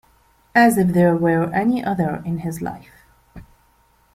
As if there were any other in his life!